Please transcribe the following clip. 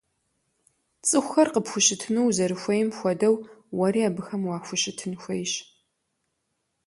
Цӏыхухэр къыпхущытыну узэрыхуейм хуэдэу, уэри абыхэм уахущытын хуейщ.